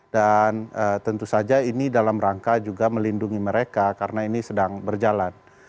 dan tentu saja ini dalam rangka juga melindungi mereka karena ini sedang berjalan